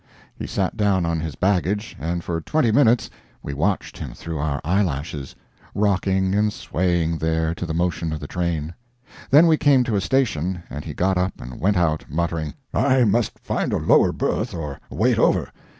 He sat down on his baggage, and for twenty minutes we watched him through our eyelashes, rocking and swaying there to the motion of the train. Then we came to a station, and he got up and went out, muttering: "I must find a lower berth, or wait over."